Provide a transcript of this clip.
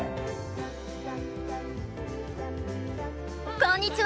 こんにちは。